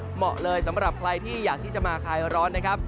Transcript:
เหมาะเลยสำหรับใครที่อยากที่จะมาคลายร้อนนะครับ